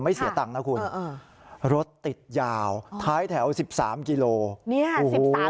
ไม่เสียตังค์นะคุณรถติดยาวท้ายแถว๑๓กิโลเมตร